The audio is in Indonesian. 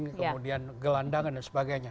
kemudian gelandangan dan sebagainya